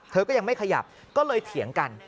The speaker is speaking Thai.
เธอก็ยังไม่ขยับก็เลยเถียงกัน